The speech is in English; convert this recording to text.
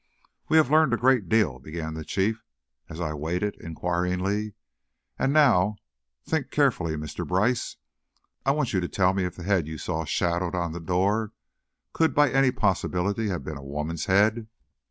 "We have learned a great deal," began the Chief, as I waited, inquiringly. "And, now think carefully, Mr. Brice, I want you to tell me if the head you saw shadowed on the door, could by any possibility have been a woman's head?"